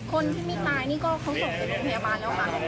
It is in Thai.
คนที่ไม่ตายนี่ก็เขาส่งไปโรงพยาบาลแล้วค่ะ